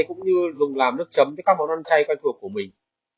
cũng như dùng làm nước chấm cho các món ăn chay quen thuộc của mình